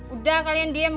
udah kalian diem